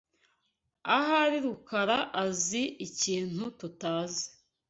Ahari Rukara azi ikintu tutazi.